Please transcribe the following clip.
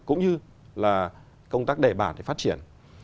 cũng như là công tác đề bản để phát triển